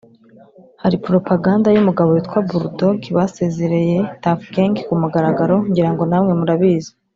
hari propaganda y’umugabo witwa Bull Dogg … basezereye Tuff Gang ku mugaragaro ngira ngo namwe murabizi…”